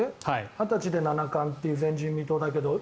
２０歳で七冠という前人未到だけど。